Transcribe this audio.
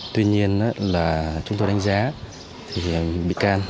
tuy nhiên là chúng tôi đánh giá thì bị can